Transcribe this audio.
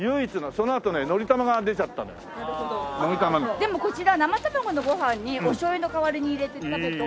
でもこちら生卵のご飯におしょうゆの代わりに入れて食べるとおいしいんですよ。